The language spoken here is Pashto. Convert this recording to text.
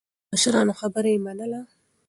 د مشرانو خبره يې منله.